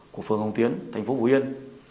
của phường hồng tiến thành phố phổ yên